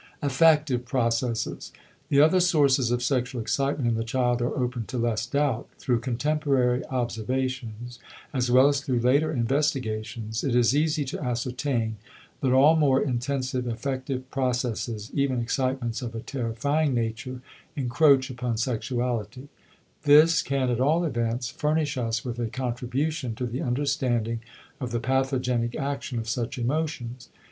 *Affective Processes.* The other sources of sexual excitement in the child are open to less doubt. Through contemporary observations, as well as through later investigations, it is easy to ascertain that all more intensive affective processes, even excitements of a terrifying nature, encroach upon sexuality; this can at all events furnish us with a contribution to the understanding of the pathogenic action of such emotions.